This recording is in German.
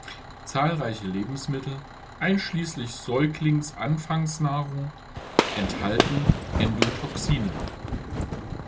Zahlreiche Lebensmittel, einschließlich Säuglingsanfangsnahrung, enthalten Endotoxine.